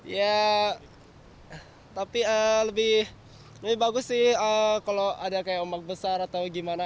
ya tapi lebih bagus sih kalau ada kayak ombak besar atau gimana